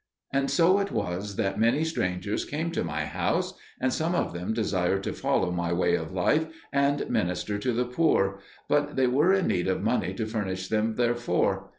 And so it was that many strangers came to my house, and some of them desired to follow my way of life and minister to the poor, but they were in need of money to furnish them therefor.